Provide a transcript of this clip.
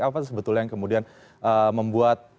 apa sebetulnya yang kemudian membuat